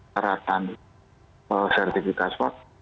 haratan sertifikat swaf